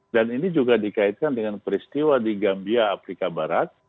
dan ini juga dikaitkan dengan peristiwa di gambia afrika barat